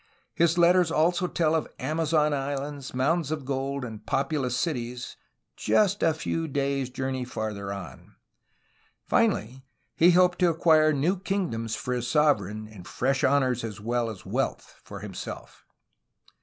His letters also tell of Amazon islands, mountains of gold, and populous cities — just a few days^ journey farther on. Finally, he hoped to acquire new kingdoms for his sovereign and fresh honors as well as wealth for himself.